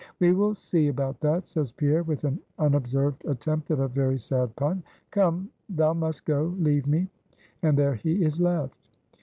"We will see about that," says Pierre, with an unobserved attempt at a very sad pun. "Come, thou must go. Leave me." And there he is left.